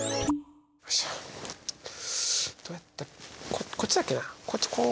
どうやったこっちだっけなこっちこう。